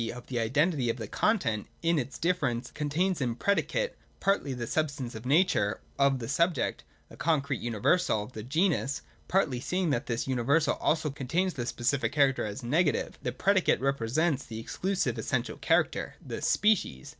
e. of the identity of the content in its difference (i), contains, in the pre dicate, partly the substance or nature of the subject, the concrete universal, the genus ; partly, seeing that this universal also contains the specific character as negative, the predicate represents the exclusive essential character, the species.